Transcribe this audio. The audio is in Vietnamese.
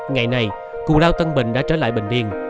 ngày nay cụ lao tân bình đã trở lại bình điên